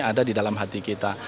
ada di dalam hati kita